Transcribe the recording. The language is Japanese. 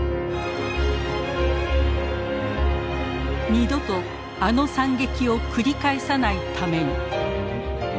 二度とあの惨劇を繰り返さないために。